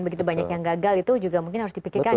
begitu banyak yang gagal itu juga mungkin harus dipikirkan